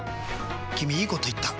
君いいこと言った！